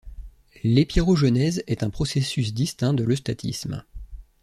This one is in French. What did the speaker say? L'épirogenèse est un processus distinct de l'eustatisme.